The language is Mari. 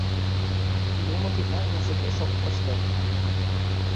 Юмо тидлан языкеш ок пыште!